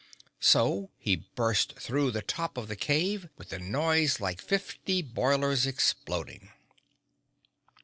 So, he burst through the top of the cave, with a noise like fifty boilers exploding.